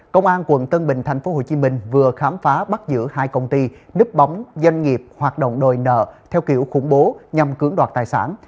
công an quận tân bình tp hcm vừa khám phá bắt giữ hai công ty nếp bóng doanh nghiệp hoạt động đòi nợ theo kiểu khủng bố nhằm cưỡng đoạt tài sản